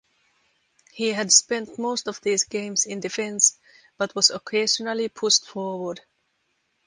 He had spent most of these games in defence, but was occasionally pushed forward.